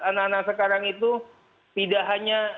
anak anak sekarang itu tidak hanya